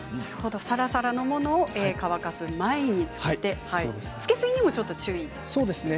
さらさらのものを乾かす前につけてつけすぎも注意ですね。